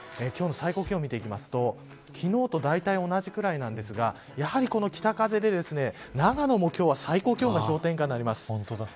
今日の最高気温を見ていきますと昨日とだいたい同じくらいなんですがやはりこの北風で長野も今日は最高気温が氷点下になります。